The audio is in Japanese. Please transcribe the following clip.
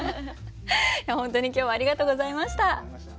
本当に今日はありがとうございました。